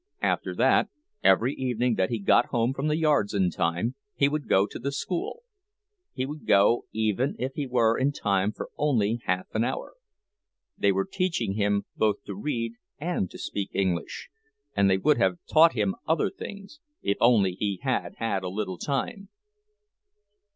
After that, every evening that he got home from the yards in time, he would go to the school; he would go even if he were in time for only half an hour. They were teaching him both to read and to speak English—and they would have taught him other things, if only he had had a little time.